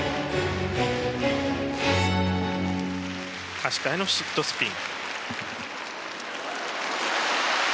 足換えのシットスピン。